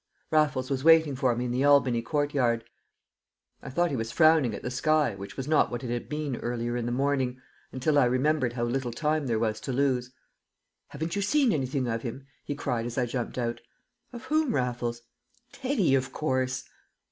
Raffles was waiting for me in the Albany courtyard. I thought he was frowning at the sky, which was not what it had been earlier in the morning, until I remembered how little time there was to lose. "Haven't you seen anything of him?" he cried as I jumped out. "Of whom, Raffles?" "Teddy, of course!"